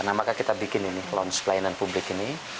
nah maka kita bikin ini lounge pelayanan publik ini